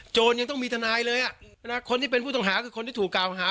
ยังต้องมีทนายเลยอ่ะคนที่เป็นผู้ต้องหาคือคนที่ถูกกล่าวหา